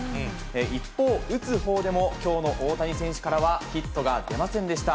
一方、打つほうでもきょうの大谷選手からはヒットが出ませんでした。